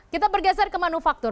kita bergeser ke manufaktur